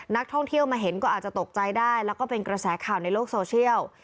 นักท่องเที่ยวมาเห็นก็อาจจะตกใจได้แล้วก็เป็นกระแสข่าวในโลกโซเชียล